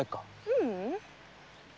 ううん。